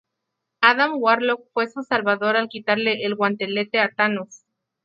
Adam Warlock fue su salvador al quitarle el Guantelete a Thanos.